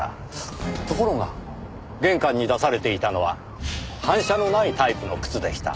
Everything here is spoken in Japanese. ところが玄関に出されていたのは反射のないタイプの靴でした。